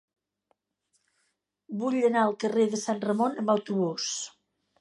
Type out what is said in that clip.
Vull anar al carrer de Sant Ramon amb autobús.